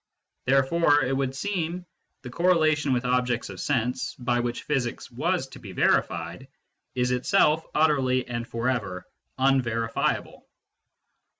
Therefore, it would seem, the correlation with objects of sense, by which physics was to be verified, is itself utterly and for ever un verifiable.